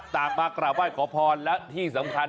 ต่างมากราบว่ายขอพรและที่สำคัญ